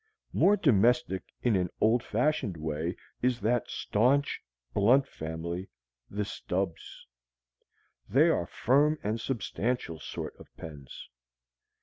More domestic in an old fashioned way is that staunch, blunt family, the Stubbs. They are firm and substantial sort of pens.